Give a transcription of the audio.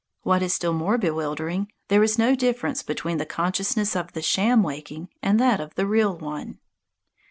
What is still more bewildering, there is no difference between the consciousness of the sham waking and that of the real one.